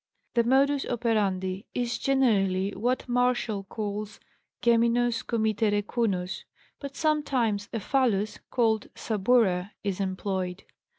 The modus operandi is generally what Martial calls geminos committere cunnos, but sometimes a phallus, called saburah, is employed.